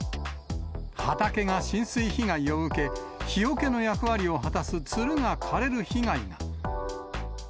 畑が浸水被害を受け、日よけの役割を果たすつるが枯れる被害が。